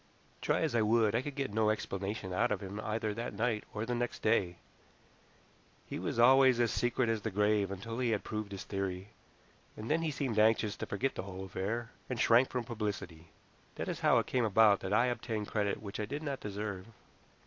Try as I would, I could get no explanation out of him either that night or next day. He was always as secret as the grave until he had proved his theory, and then he seemed anxious to forget the whole affair, and shrank from publicity. That is how it came about that I obtained credit which I did not deserve.